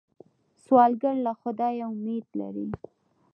سوالګر له خدایه امید لري